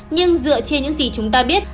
nhưng dựa trên những gì chúng ta biết